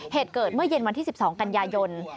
เหตุเกิดเมื่อเย็นวันที่๑๒กันยายน